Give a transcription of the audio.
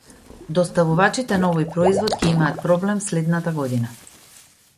Доставувачите на овој производ ќе имаат проблем следната година.